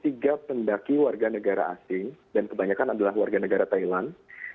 dan kebanyakan adalah warga negara asing dan kebanyakan adalah warga negara thailand